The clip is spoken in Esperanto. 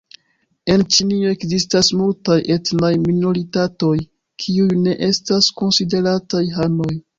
En Ĉinio ekzistas multaj etnaj minoritatoj, kiuj ne estas konsiderataj hanoj.